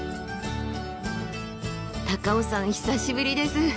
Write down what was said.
高尾山久しぶりです。